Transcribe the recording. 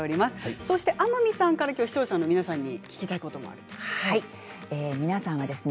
そして天海さんから視聴者の皆さんに聞きたいことがあるんですね。